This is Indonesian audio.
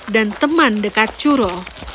dan teman dekat curo